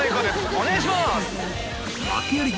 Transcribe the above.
お願いします！